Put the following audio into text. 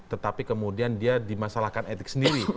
tetapi kemudian dia dimasalahkan etik sendiri